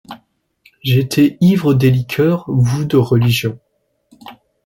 J'étais ivre de liqueurs, vous de religion.